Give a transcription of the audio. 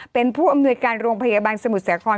เป็นผู้อำนวยการโรงพยาบาลสมุทรสาคร